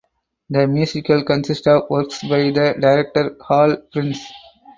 The musical consists of works by the director Hal Prince.